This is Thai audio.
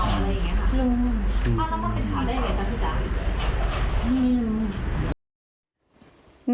ว่าเราต้องเป็นข่าวได้ไหมครับพี่จัง